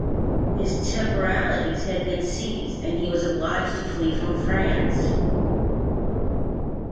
His temporalities had been seized, and he was obliged to flee from France.